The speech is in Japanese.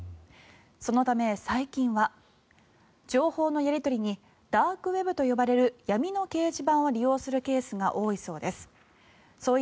そのため最近は情報のやり取りにダークウェブと呼ばれる闇の掲示板を利用するケースが多いそうです。